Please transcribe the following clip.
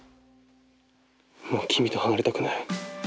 もうキミと離れたくない。